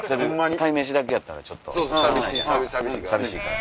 鯛めしだけやったらちょっと寂しいから。